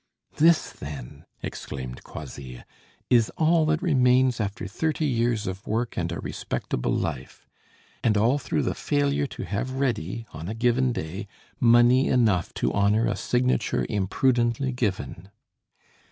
"This, then," exclaimed Croisilles, "is all that remains after thirty years of work and a respectable life, and all through the failure to have ready, on a given day, money enough to honor a signature imprudently given!"